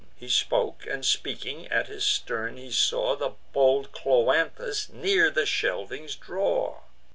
He spoke, and, speaking, at his stern he saw The bold Cloanthus near the shelvings draw.